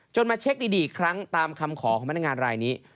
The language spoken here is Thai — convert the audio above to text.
มาเช็คดีอีกครั้งตามคำขอของพนักงานรายนี้